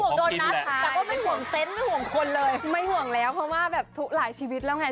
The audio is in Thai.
ควรแบบทุกหลายชีวิตแล้วไง